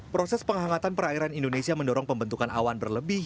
proses penghangatan perairan indonesia mendorong pembentukan awan berlebih